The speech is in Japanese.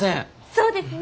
そうですね！